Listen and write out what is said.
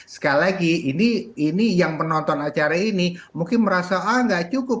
sekali lagi ini yang penonton acara ini mungkin merasa ah nggak cukup